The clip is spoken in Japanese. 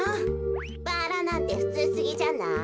バラなんてふつうすぎじゃない？